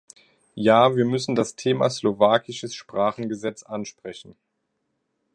Ja, wir müssen das Thema slowakisches Sprachengesetz ansprechen.